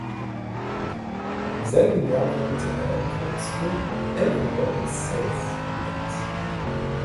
Im selben Jahr wirkte er im Kurzfilm "Everybody Says" mit.